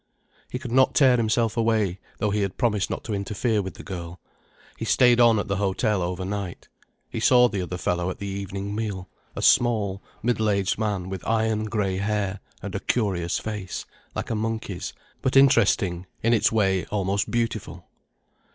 He could not tear himself away, though he had promised not to interfere with the girl. He stayed on at the hotel over night. He saw the other fellow at the evening meal: a small, middle aged man with iron grey hair and a curious face, like a monkey's, but interesting, in its way almost beautiful.